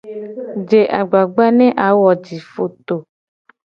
Je agbagba ne a wo jifoto.